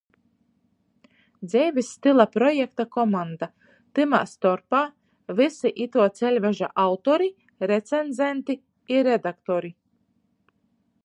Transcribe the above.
Dzeivis styla projekta komanda, tamā storpā vysi ituo ceļveža autori, recenzenti i redaktori.